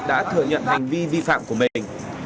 đã thừa nhận hành vi vi phạm của mình